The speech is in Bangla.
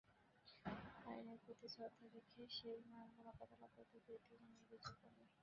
আইনের প্রতি শ্রদ্ধা রেখে সেই মামলা মোকাবিলা করতে গিয়েও তিনি ন্যায়বিচার পাননি।